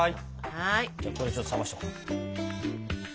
じゃあここでちょっと冷ましとこう。